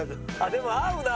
でも合うな。